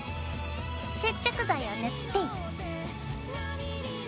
接着剤を塗って。